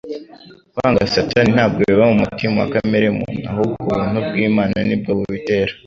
Kwanga Satani ntabwo biba mu mutima wa kamere muntu, ahubwo ubuntu bw'Imana ni bwo bubitera.